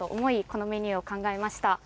このメニューを考えました。